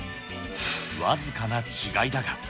僅かな違いだが。